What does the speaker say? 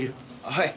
はい。